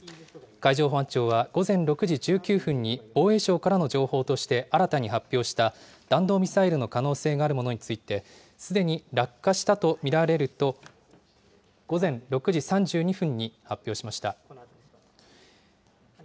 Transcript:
海上保安庁は午前６時１９分に、防衛省からの情報として新たに発表した、弾道ミサイルの可能性があるものについて、すでに落下したと見られると、午前６時３２分に発表しました。